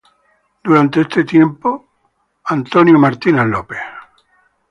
Durante este tiempo, Sammy James Jr.